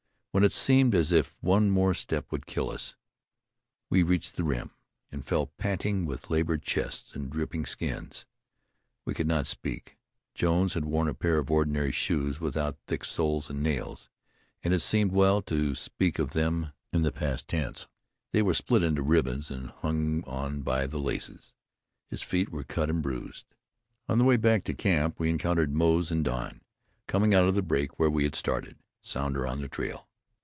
When it seemed as if one more step would kill us, we reached the rim, and fell panting with labored chests and dripping skins. We could not speak. Jones had worn a pair of ordinary shoes without thick soles and nails, and it seemed well to speak of them in the past tense. They were split into ribbons and hung on by the laces. His feet were cut and bruised. On the way back to camp, we encountered Moze and Don coming out of the break where we had started Sounder on the trail.